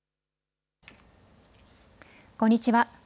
こんにちは。